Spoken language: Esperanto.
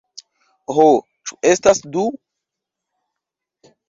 Ho, ĉu estas du?